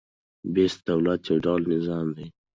بسیط دولت يو ډول نظام لري.